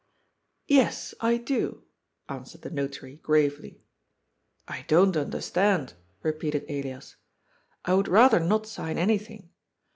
" Yes, I do," answered the Notary gravely. " I don't understand," repeated Elias. " I would rather not sign anything.